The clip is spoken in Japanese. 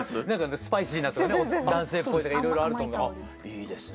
スパイシーなとかね男性っぽいとかいろいろあるとあっいいですね。